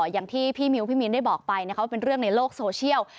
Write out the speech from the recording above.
อย่างที่พี่มิวพี่มินได้บอกไปว่าเป็นเรื่องในโลกโซเชียล